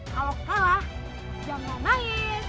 kalau kalah jangan main